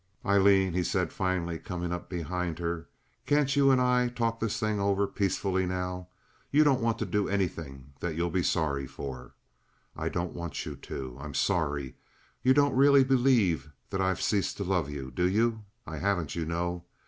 "Aileen," he said, finally, coming up behind her, "can't you and I talk this thing over peacefully now? You don't want to do anything that you'll be sorry for. I don't want you to. I'm sorry. You don't really believe that I've ceased to love you, do you? I haven't, you know.